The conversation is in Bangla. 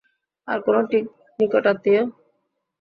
আর কোনো নিকট আত্মীয়?